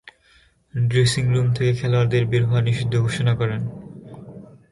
Dressing room থেকে খেলোয়াড়দের বের হওয়া নিষিদ্ধ ঘোষণা করেন।